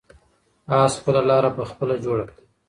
آس خپله لاره په خپله جوړه کړه.